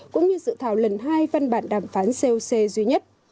cũng như dự thảo lần hai văn bản đàm phán coc duy nhất